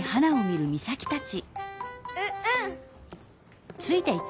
ううん！